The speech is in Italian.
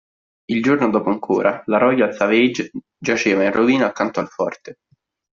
Il giorno dopo ancora, la "Royal Savage" giaceva in rovina accanto al forte.